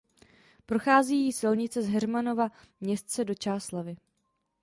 Prochází jí silnice z Heřmanova Městce do Čáslavi.